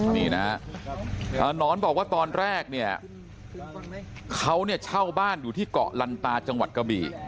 นี่นะฮะหนอนบอกว่าตอนแรกเนี่ยเขาเนี่ยเช่าบ้านอยู่ที่เกาะลันตาจังหวัดกะบี่